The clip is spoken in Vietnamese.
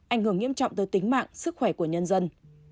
ảnh hưởng nghiêm trọng tới tính mạng sức khỏe của nhân dân